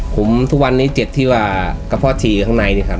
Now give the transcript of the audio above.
ผมทุกวันนี้เจ็บที่ว่ากระเพาะทีข้างในนี่ครับ